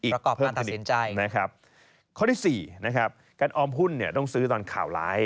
ประกอบการตัดสินใจนะครับข้อที่สี่นะครับการออมหุ้นเนี่ยต้องซื้อตอนข่าวร้าย